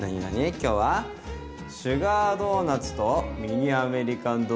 今日は「シュガードーナツとミニアメリカンドッグ！」